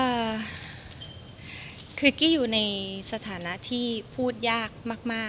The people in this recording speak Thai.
เอ่อคือกี้อยู่ในสถานะที่พูดยากมากมาก